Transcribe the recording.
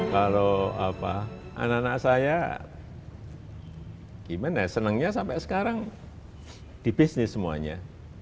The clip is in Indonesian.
kalau anak anak saya gimana senangnya sampai sekarang di bisnis semuanya